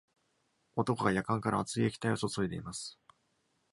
男がやかんから熱い液体を注いでいます。